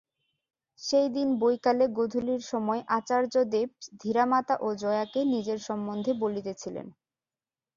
সেইদিন বৈকালে গোধূলির সময় আচার্যদেব ধীরামাতা ও জয়াকে নিজের সম্বন্ধে বলিতেছিলেন।